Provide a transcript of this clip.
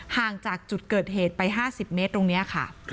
ห่างจากจุดเกิดเหตุไป๕๐เมตรตรงนี้ค่ะ